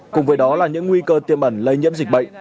cùng với đó là những nguy cơ tiềm ẩn lây nhiễm dịch bệnh